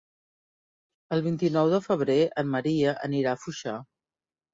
El vint-i-nou de febrer en Maria anirà a Foixà.